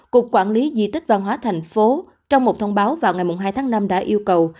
cục quản lý di tích văn hóa thành phố trong một thông báo vào ngày hai tháng năm đã yêu cầu